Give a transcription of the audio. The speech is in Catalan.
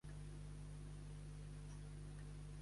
Tarlac City és la més gran basada en la zona de terra.